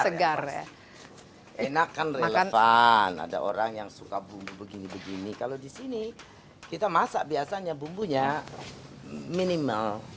segar enak kan relevan ada orang yang suka bumbu begini begini kalau di sini kita masak biasanya bumbunya minimal